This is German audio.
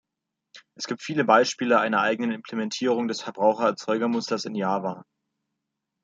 Es gibt viele Beispiele einer eigenen Implementierung des Verbraucher-Erzeuger-Musters in Java.